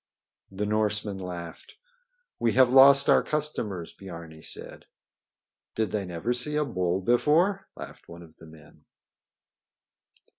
The Norsemen laughed. "We have lost our customers," Biarni said. "Did they never see a bull before?" laughed one of the men.